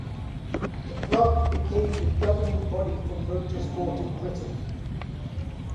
The Club became the governing body for motor sport in Britain.